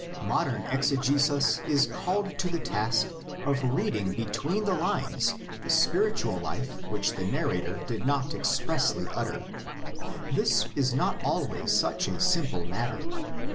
Modern exegesis is called to the task of reading between the lines the spiritual life which the nar rator did not expressly utter. This is not always such a simple matter.